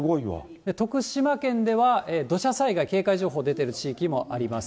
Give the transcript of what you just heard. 徳島県では、土砂災害警戒情報出てる地域もあります。